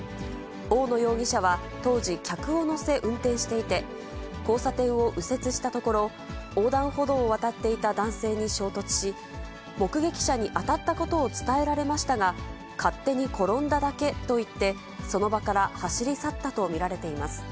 多容疑者は当時、客を乗せ運転していて、交差点を右折したところ、横断歩道を渡っていた男性に衝突し、目撃者に当たったことを伝えられましたが、勝手に転んだだけと言って、その場から走り去ったと見られています。